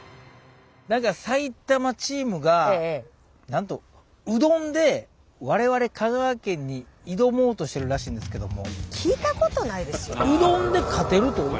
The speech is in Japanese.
何か埼玉チームがなんとうどんで我々香川県に挑もうとしてるらしいんですけども。